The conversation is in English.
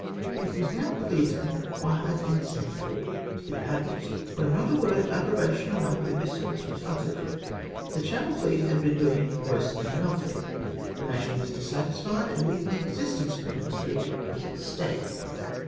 It was now clear to me why I had been sent for to the Admiralty, where not a word of approbation of my previous services was uttered. The Channel fleet had been doing worse than nothing. The nation was dis satisfied, and even the existence of the ministry was at stake.